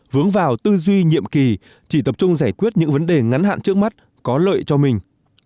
vướng vào tư duy nhiệm kỳ chỉ tập trung giải quyết những vấn đề ngắn hạn trước mắt có lợi cho mình